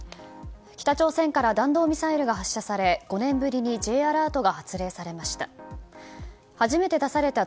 北朝鮮から弾道ミサイルが発射され５年ぶりにＪアラートが発令されました。